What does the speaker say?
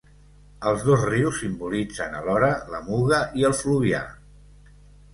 Els dos rius simbolitzen, alhora, la Muga i el Fluvià.